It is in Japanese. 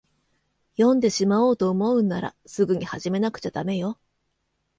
読んでしまおうと思うんなら、すぐに始めなくちゃだめよ。